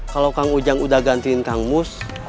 kalau kang ujang udah gantiin kang mus